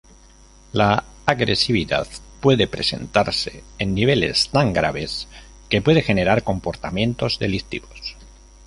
La agresividad puede presentarse en niveles tan graves que puede generar comportamientos delictivos.